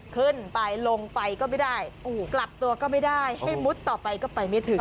ขึ้นไปลงไปก็ไม่ได้กลับตัวก็ไม่ได้ให้มุดต่อไปก็ไปไม่ถึง